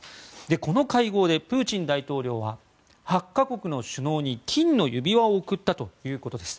この会合でプーチン大統領は８か国の首脳に金の指輪を贈ったということです。